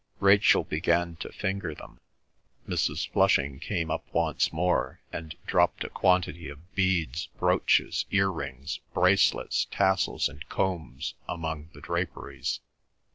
Rachel began to finger them. Mrs. Flushing came up once more, and dropped a quantity of beads, brooches, earrings, bracelets, tassels, and combs among the draperies.